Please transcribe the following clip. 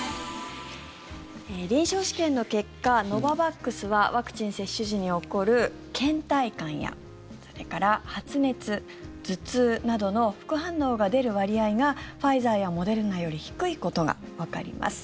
臨床試験の結果、ノババックスはワクチン接種時に起こるけん怠感やそれから発熱、頭痛などの副反応が出る割合がファイザーやモデルナより低いことがわかります。